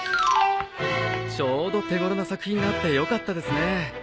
ちょうど手頃な作品があってよかったですね。